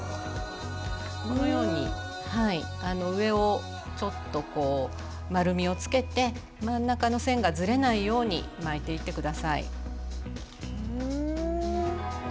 このように上をちょっとこう丸みをつけて真ん中の線がずれないように巻いていって下さい。